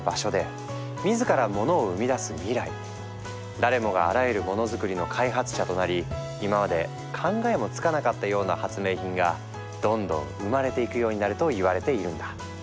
誰もがあらゆるモノづくりの開発者となり今まで考えもつかなかったような発明品がどんどん生まれていくようになるといわれているんだ。